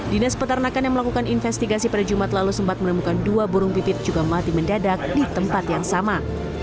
dinas peternakan yang melakukan investigasi pada jumat lalu sempat menemukan dua burung pipit juga mati mendadak di tempat yang sama